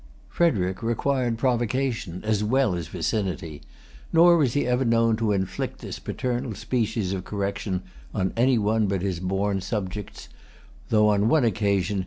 Frederic required provocation as well as vicinity; nor was he ever known to inflict this paternal species of correction on any but his born subjects; though on one occasion M.